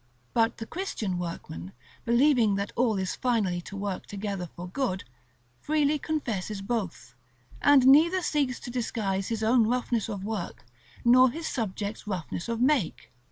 But the Christian workman, believing that all is finally to work together for good, freely confesses both, and neither seeks to disguise his own roughness of work, nor his subject's roughness of make.